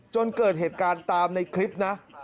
จนเกิดเหตุการณ์ตามในคลิปนะ